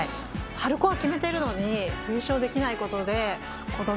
春高は決めてるのに優勝できないことで。